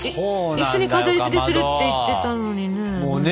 一緒に飾りつけするって言ってたのにね。